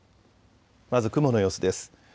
まず雲の様子です。